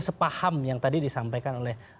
sepaham yang tadi disampaikan oleh